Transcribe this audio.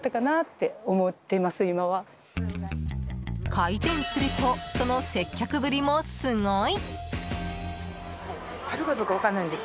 開店するとその接客ぶりもすごい！